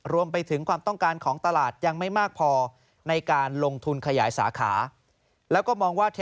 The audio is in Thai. รวมไปถึงความต้องการของตลาดยังไม่มากพอในการลงทุนขยายสาขา